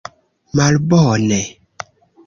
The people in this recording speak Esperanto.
malbone